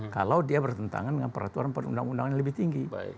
kalau dia bertentangan dengan peraturan perundang undangan yang lebih tinggi